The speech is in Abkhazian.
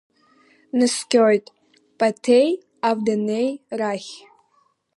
Днаскьоит Ԥоҭеи Авдениеи рахь.